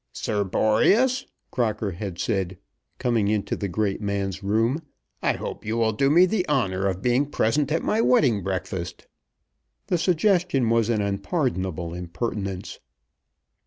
"Sir Boreas," Crocker had said, coming into the great man's room, "I hope you will do me the honour of being present at my wedding breakfast." The suggestion was an unpardonable impertinence.